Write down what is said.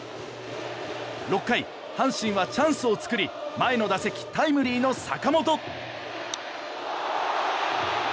６回、阪神はチャンスを作り前の打席タイムリーの坂本。